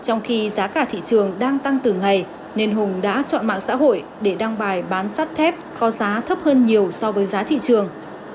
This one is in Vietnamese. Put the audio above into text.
trong khi giá cả thị trường đang tăng từ ngày nên hùng đã chọn mạng xã hội để đăng bài bán sắt thép có giá thấp hơn nhiều so với giá thị trường